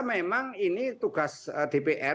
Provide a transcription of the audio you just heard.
memang ini tugas dpr